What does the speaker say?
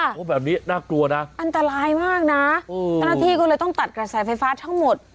โอ้โหแบบนี้น่ากลัวนะอันตรายมากนะเจ้าหน้าที่ก็เลยต้องตัดกระแสไฟฟ้าทั้งหมด